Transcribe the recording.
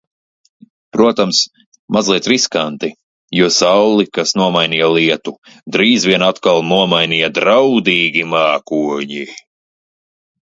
Protams, mazliet riskanti, jo sauli, kas nomainīja lietu, drīz vien atkal nomainīja draudīgi mākoņi.